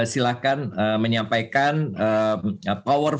silakan menyampaikan statement kuat